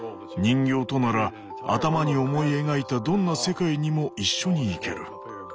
「人形となら頭に思い描いたどんな世界にも一緒に行ける」。